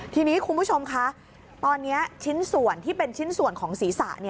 ทีนี้คุณผู้ชมคะตอนนี้ชิ้นส่วนที่เป็นชิ้นส่วนของศีรษะ